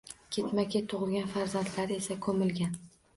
Ketma-ket tugʻilgan farzandlari esa koʻmilgan